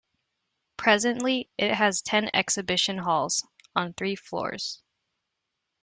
Presently, it has ten exhibition halls, on three floors.